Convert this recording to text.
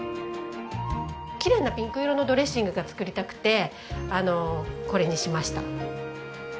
きれいなピンク色のドレッシングが作りたくてこれにしました。